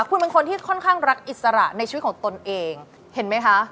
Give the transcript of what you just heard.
คุณเป็นคนที่ค่อนข้างรักอิสระในชีวิตของตนเองเห็นไหมคะ